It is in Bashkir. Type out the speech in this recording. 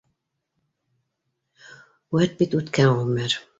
Үәт бит үткән ғүмер